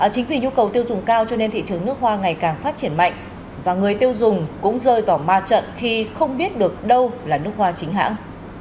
chính vì nhu cầu tiêu dùng cao cho nên thị trường nước hoa ngày càng phát triển mạnh và người tiêu dùng cũng rơi vào ma trận khi không biết được đâu là nước hoa chính hãng